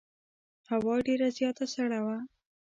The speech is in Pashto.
هوا ډېره زیاته سړه وه.